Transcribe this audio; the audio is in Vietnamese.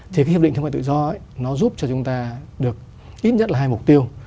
thì cái hiệp định thương mại tự do nó giúp cho chúng ta được ít nhất là hai mục tiêu